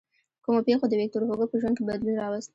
کومو پېښو د ویکتور هوګو په ژوند کې بدلون راوست.